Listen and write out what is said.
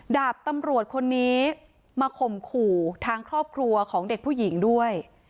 ดาบตำรวจคนนี้มาข่มขู่ทางครอบครัวของเด็กผู้หญิงด้วย